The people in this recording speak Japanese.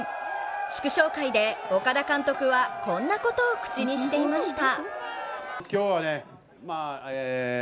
祝勝会で岡田監督はこんなことを口にしていました。